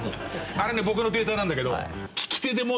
あれね僕のデータなんだけど。